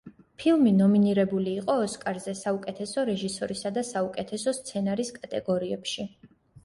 ფილმი ნომინირებული იყო ოსკარზე საუკეთესო რეჟისორისა და საუკეთესო სცენარის კატეგორიებში.